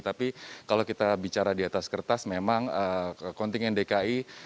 tapi kalau kita bicara di atas kertas memang kontingen dki